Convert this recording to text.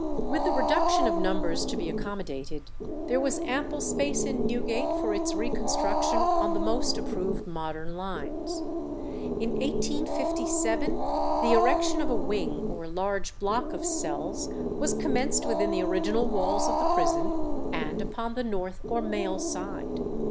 With the reduction of numbers to be accommodated, there was ample space in Newgate for its reconstruction on the most approved modern lines. In 1857 the erection of a wing or large block of cells was commenced within the original walls of the prison, and upon the north or male side.